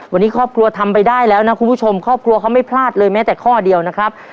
วันนี้ครอบครัวทำไปได้แล้วนะคุณผู้ชมครอบครัวเขาไม่พลาดเลยแม้แต่ข้อเดียวนะครับ